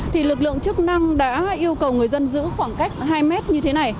thì lực lượng chức năng đã yêu cầu người dân giữ khoảng cách hai mét như thế này